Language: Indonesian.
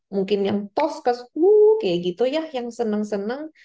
mungkin yang tos kayak gitu ya yang seneng seneng